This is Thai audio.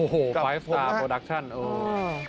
โอ้โฮไฟล์สตาร์โปรดัคชั่นโอ้โฮ